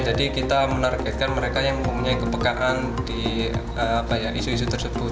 jadi kita menargetkan mereka yang memiliki kepekaan di isu isu tersebut